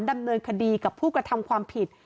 ดำเนินคดีกับผู้กระทำความผิด